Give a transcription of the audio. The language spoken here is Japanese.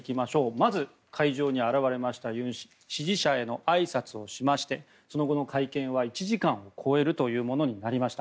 まず、会場に現れましたユン氏支持者らへのあいさつをしましてその後の会見は１時間を超えるものとなりました。